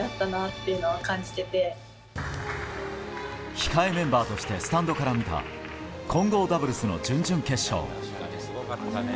控えメンバーとしてスタンドから見た混合ダブルスの準々決勝。